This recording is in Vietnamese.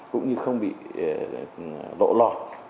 cũng như không bị lộ lọt